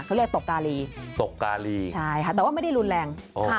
เขาเรียกตกกาลีตกกาลีใช่ค่ะแต่ว่าไม่ได้รุนแรง